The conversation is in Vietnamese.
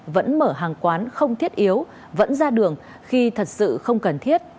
vẫn mở hàng quán không thiết yếu vẫn ra đường khi thật sự không cần thiết